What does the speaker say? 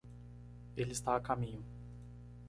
Ele está a caminho.